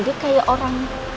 dia kayak orang